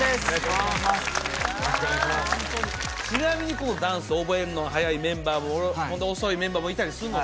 ちなみにダンス覚えるのが早いメンバーもおるほんで遅いメンバーもいたりすんの？